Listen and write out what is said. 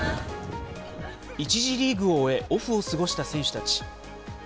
１次リーグを終え、オフを過ごした選手たち。